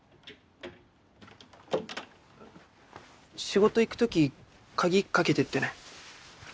仕事行くとき鍵掛けてってね。